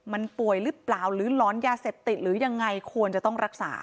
มันป่วยหรือเปล่าหรือหลอนยาเสพติดหรือยังไงควรจะต้องรักษา